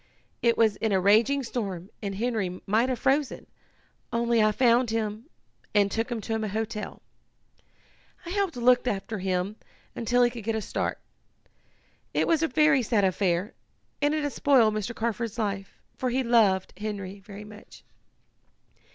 It was in a raging storm and Henry might have frozen, only I found him and took him to a hotel. I helped look after him until he could get a start. It was a very sad affair, and it has spoiled Mr. Carford's life, for he loved Henry very much."